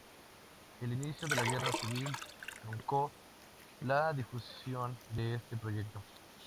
El inicio de la Guerra Civil truncó la difusión de este proyecto.